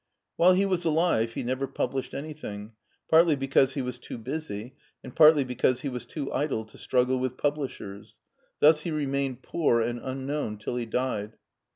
While he was alive he never published anything, partly because he was too busy and partly because he was too idle to struggle with publishers; thus he remained poor and unknown till he died.